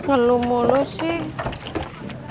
ngelumur lo sih